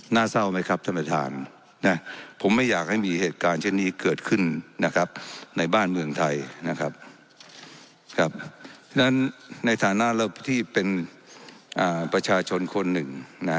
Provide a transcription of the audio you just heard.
ในฐานะเราที่เป็นประชาชนคนหนึ่ง